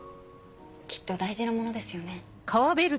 きっと大事なものですよね？